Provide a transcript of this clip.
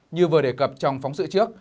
như vừa đề cập trong phóng sự trước